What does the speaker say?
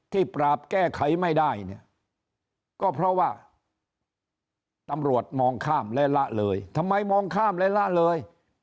ปราบแก้ไขไม่ได้เนี่ยก็เพราะว่าตำรวจมองข้ามและละเลยทำไมมองข้ามและละเลย